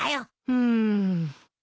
うん。